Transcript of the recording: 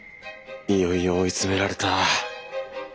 いよいよ追い詰められた。